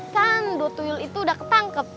kan dutuyul itu sudah ketangkep